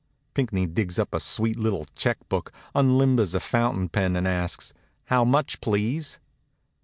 Pinckney digs up a sweet little check book, unlimbers a fountain pen, and asks: "How much, please?"